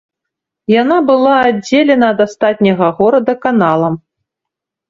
Яна была аддзелена ад астатняга горада каналам.